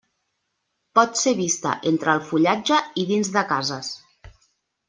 Pot ser vista entre el fullatge i dins de cases.